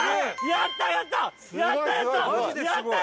やったやった！